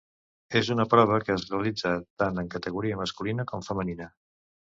És una prova que es realitza tant en categoria masculina com femenina.